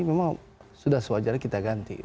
memang sudah sewajarnya kita ganti